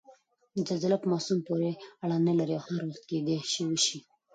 زلزله په موسم پورې اړنه نلري او هر وخت کېدای شي وشي؟